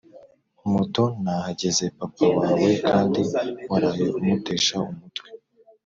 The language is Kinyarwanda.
moto nahageze papa wawe kandi waraye umutesha umutwe